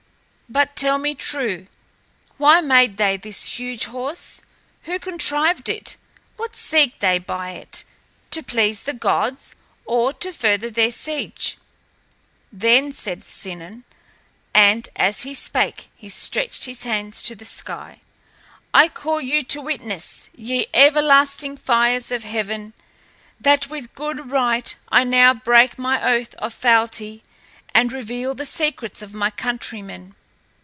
But tell me true: why made they this huge horse? Who contrived it? What seek they by it to please the gods or to further their siege?" Then said Sinon, and as he spake he stretched his hands to the sky, "I call you to witness, ye everlasting fires of heaven, that with good right I now break my oath of fealty and reveal the secrets of my countrymen.